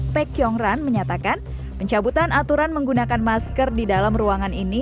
pak kyung ran menyatakan pencabutan aturan menggunakan masker di dalam ruangan ini